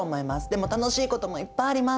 でも楽しいこともいっぱいあります。